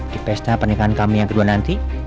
di pesta pernikahan kami yang kedua nanti